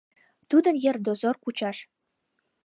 Тудын йыр дозор кучаш.